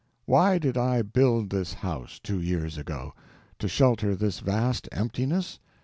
Why did I build this house, two years ago? To shelter this vast emptiness?